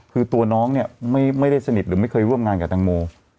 คือตัวน้องเนี่ยไม่ได้สนิทหรือไม่เคยร่วมงานกับตังโม